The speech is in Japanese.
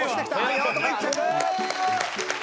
八乙女１着！